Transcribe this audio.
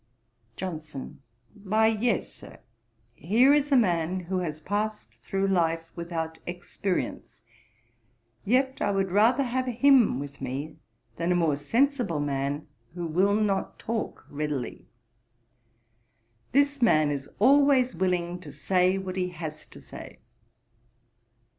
JOHNSON. 'Why, yes, Sir. Here is a man who has passed through life without experience: yet I would rather have him with me than a more sensible man who will not talk readily. This man is always willing to say what he has to say.'